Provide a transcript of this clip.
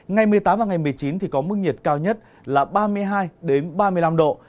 ngày một mươi tám và ngày một mươi chín thì có mức nhiệt cao nhất là ba mươi hai ba mươi năm độ